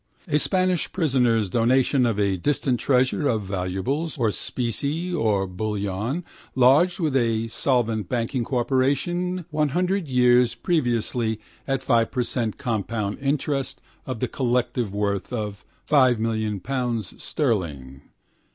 A Spanish prisoner's donation of a distant treasure of valuables or specie or bullion lodged with a solvent banking corporation 100 years previously at 5% compound interest of the collective worth of £ 5,000,000 stg (five million pounds sterling).